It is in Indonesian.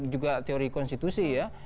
juga teori konstitusi ya